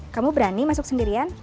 kamu berani masuk sendirian